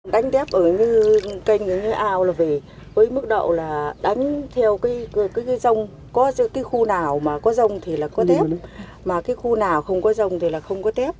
đánh tép ở như canh như ao là về với mức độ là đánh theo cái rông có cái khu nào mà có rông thì là có tép mà cái khu nào không có rông thì là không có tép